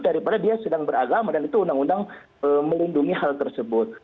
daripada dia sedang beragama dan itu undang undang melindungi hal tersebut